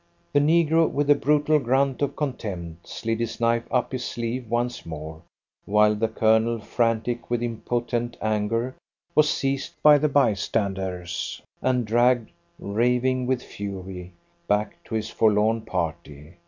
The negro, with a brutal grunt of contempt, slid his knife up his sleeve once more, while the Colonel, frantic with impotent anger, was seized by the bystanders, and dragged, raving with fury, back to his forlorn party.